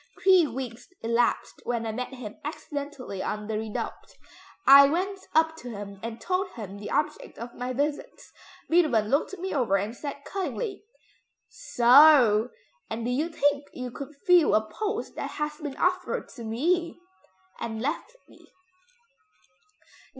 Three weeks elapsed when I met him accidentally on the Redoubte; I went up to him and told him the object of my visits. Beethoven looked me over and said cuttingly, 'So! and do you think you could fill a post that has been offered to me?' and left me.